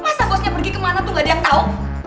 masa bosnya pergi kemana tuh gak ada yang tahu